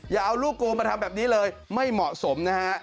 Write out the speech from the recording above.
อย่าเอาลูกกูมาทำแบบนี้เลยไม่เหมาะสมนะฮะ